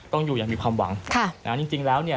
ต้องอยู่อย่างมีความหวังจริงแล้วเนี่ย